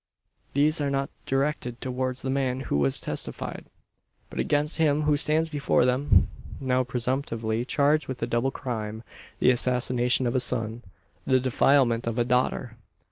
These are not directed towards the man who has testified; but against him who stands before them, now presumptively charged with a double crime: the assassination of a son the defilement of a daughter!